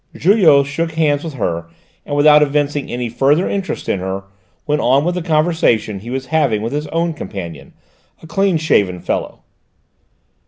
Julot shook hands with her and without evincing any further interest in her, went on with the conversation he was having with his own companion, a clean shaven fellow.